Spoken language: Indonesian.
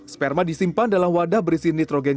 sperma disimpan dalam wadah berisi nitrogen